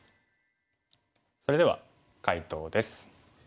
それでは解答です。